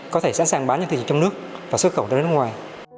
có thể sẵn sàng bán những thứ trong nước và xuất khẩu ra nước ngoài